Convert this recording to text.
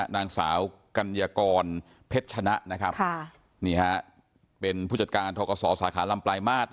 นางสาวกัญญากรเพชรฉนะทกศสาขาลำปลายมาส